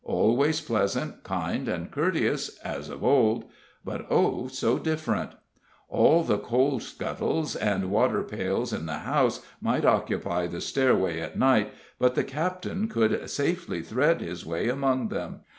Always pleasant, kind, and courteous, as of old, but oh, so different! All the coal scuttles and water pails in the house might occupy the stairway at night, but the captain could safely thread his way among them.